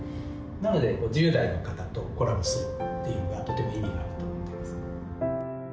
なので１０代の方とコラボするっていうのはとても意味があると思っています。